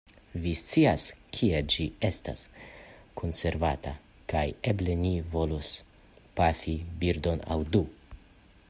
Vi scias kie ĝi estas konservata, kaj eble ni volos pafi birdon aŭ du.